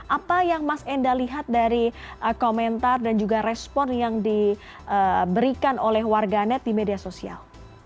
apa yang mas enda lihat dari komentar dan juga respon yang diberikan oleh warganet di media sosial